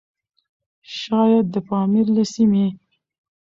شايد د پامير له سيمې؛